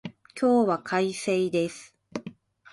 今日は快晴です